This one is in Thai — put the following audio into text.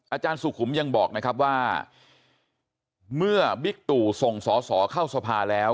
อาจารย์สุขุมยังบอกนะครับว่าเมื่อบิ๊กตู่ส่งสอสอเข้าสภาแล้ว